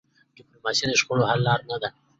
ډيپلوماسي د شخړو حل لاره ده.